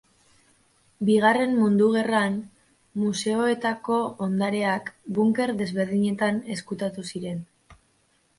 Bigarren mundu gerran museoetako ondareak bunker desberdinetan ezkutatu ziren.